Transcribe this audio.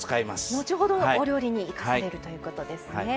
後ほどお料理に生かされるということですね。